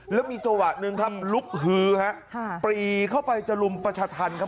แล้วมีจังหวะหนึ่งครับลุกฮือฮะปรีเข้าไปจะรุมประชาธรรมครับ